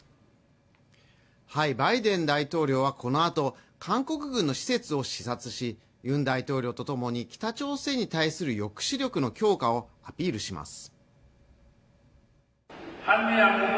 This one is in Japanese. バイデン大統領はこのあと韓国軍の施設を視察しユン大統領とともに、北朝鮮に対する抑止力の強化をアピールします。